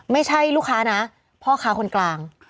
ไม่ใช่ลูกค้านะพ่อค้าคนกลาง